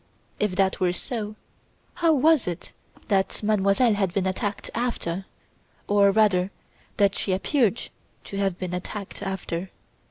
If that were so, how was it that Mademoiselle had been attacked after? or rather, that she appeared to have been attacked after?